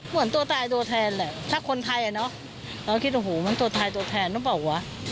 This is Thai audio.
เหมือนตัวตายตัวแทนแหละถ้าคนไทยอ่ะเนอะเราคิดโอ้โหมันตัวตายตัวแทนหรือเปล่าวะ